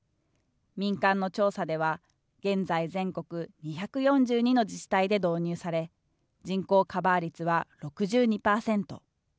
民間の調査では、現在全国２４２の自治体で導入され、人口カバー率は６２％。